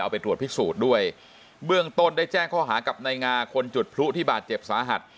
ไปตรวจพิสูจน์ด้วยเบื้องต้นได้แจ้งข้อหากับนายงาคนจุดพลุที่บาดเจ็บสาหัส